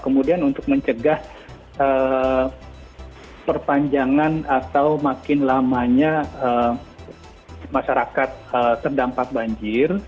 kemudian untuk mencegah perpanjangan atau makin lamanya masyarakat terdampak banjir